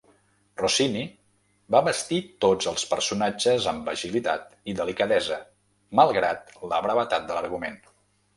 Rossini va bastir tots els personatges amb agilitat i delicadesa, malgrat la brevetat de l'argument.